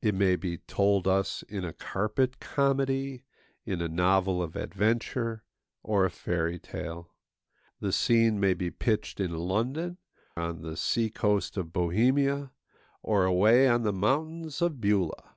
It may be told us in a carpet comedy, in a novel of adventure, or a fairy tale. The scene may be pitched in London, on the sea coast of Bohemia, or away on the mountains of Beulah.